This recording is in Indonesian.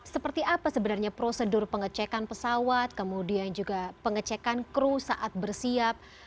seperti apa sebenarnya prosedur pengecekan pesawat kemudian juga pengecekan kru saat bersiap